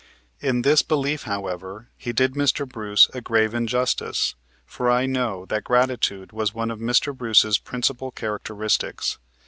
In this belief, however, he did Mr. Bruce a grave injustice, for I know that gratitude was one of Mr. Brace's principal characteristics.